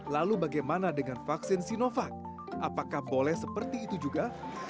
lalu bagaimana dengan vaksin sinovac apakah boleh seperti itu juga